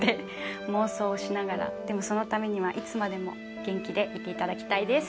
「でもそのためにはいつまでも元気でいていただきたいです」